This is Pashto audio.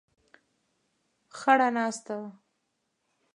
خړه ناسته وه.